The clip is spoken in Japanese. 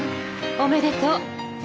おめでとう。